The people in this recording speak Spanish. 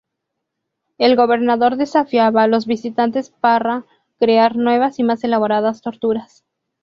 El gobernador desafiaba a los visitantes parra crear nuevas y más elaboradas torturas.